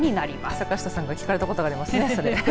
坂下さんが聞かれたことありますね。